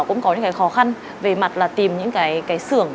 cũng có những khó khăn về mặt tìm những sưởng